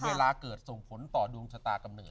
เวลาเกิดส่งผลต่อดวงชะตากำเนิ